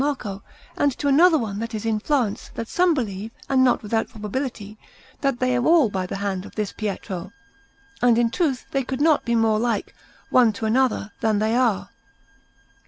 Marco, and to another one that is in Florence, that some believe, and not without probability, that they are all by the hand of this Pietro; and in truth they could not be more like, one to another, than they are.